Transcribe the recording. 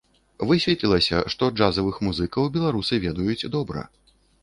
Высветлілася, што джазавых музыкаў беларусы ведаюць добра.